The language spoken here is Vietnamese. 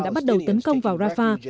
đã bắt đầu tấn công vào rafah